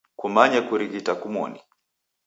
Kumanye kukurighita kumoni.